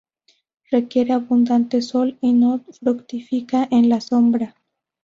Requiere abundante sol, y no fructifica en la sombra.